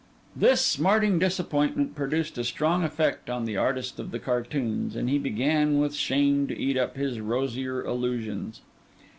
This smarting disappointment produced a strong effect on the artist of the cartoons; and he began with shame to eat up his rosier illusions.